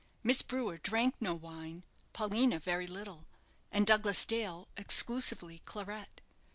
Miss Brewer drank no wine, Paulina very little, and Douglas Dale exclusively claret.